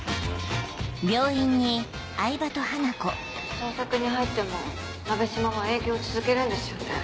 捜索に入っても「なべしま」は営業を続けるんですよね。